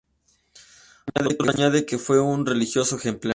Otro añade que fue "un religioso ejemplar".